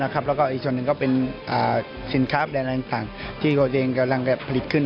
และอีกส่วนหนึ่งก็เป็นสินค้าประกาศแต่ละอย่างต่างที่โรธรียังพริกขึ้น